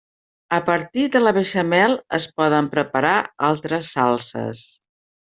A partir de la beixamel es poden preparar altres salses.